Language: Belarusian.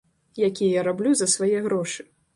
Які я раблю за свае грошы.